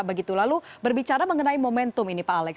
begitu lalu berbicara mengenai momentum ini pak alex